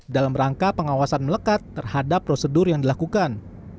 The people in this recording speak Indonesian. dalam rangka pengawasan melekat terhadap prosedur yang dilakukan